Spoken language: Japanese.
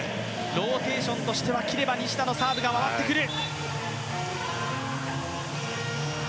ローテーションとしては切れば西田のサーブが回って来る。